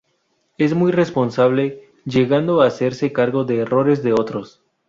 Es muy responsable, llegando a hacerse cargo de errores de otros.